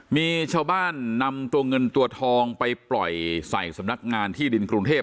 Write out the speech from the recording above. มีชาวบ้านนำตัวเงินตัวทองไปปล่อยใส่สำนักงานที่ดินกรุงเทพ